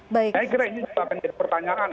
saya kira ini juga menjadi pertanyaan